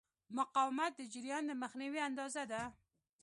مقاومت د جریان د مخنیوي اندازه ده.